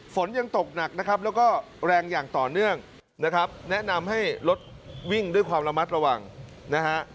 ฝนยังตกหนักนะครับแล้วก็แรงอย่างต่อเนื่องนะครับแนะนำให้รถวิ่งด้วยความระมัดระวังนะฮะ